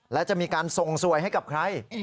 และจะมีการส่งสวยให้กับใคร